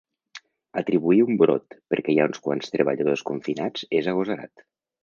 Atribuir un brot perquè hi ha uns quants treballadors confinats és agosarat.